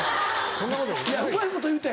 うまいこと言うた！